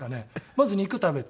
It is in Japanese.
まず肉食べて。